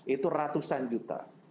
enam itu ratusan juta